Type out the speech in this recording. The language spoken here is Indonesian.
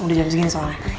udah jadi segini soalnya